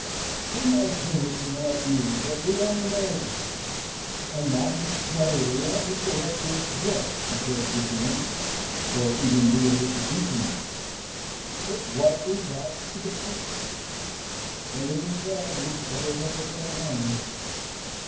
Some are dinning in our ears that we Americans, and moderns generally, are intellectual dwarfs compared with the ancients, or even the Elizabethan men. But what is that to the purpose? A living dog is better than a dead lion.